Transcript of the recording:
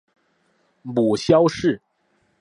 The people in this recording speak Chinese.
母萧氏。